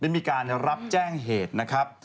มีการรับแจ้งเหตุนะครับ